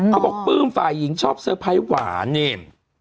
เขาบอกปื้มฝ่ายหญิงชอบเซอร์ไพรส์หวานเนี่ย